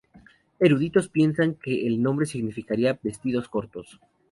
Eruditos piensan que el nombre significaría "vestidos cortos".